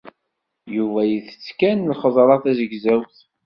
Yuba isett kan lxeḍra tazegzawt.